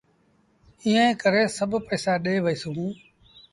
ايٚئيٚن ڪري سڀ پئيسآ ڏي وهيٚسون۔